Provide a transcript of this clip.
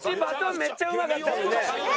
めっちゃうまかったよね。